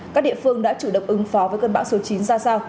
các địa phương đã chủ động ứng phó với cơn bão số chín ra sao